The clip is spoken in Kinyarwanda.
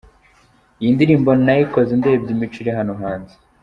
Iyi ndirimbo nayikoze ndebye imico iri hano hanze.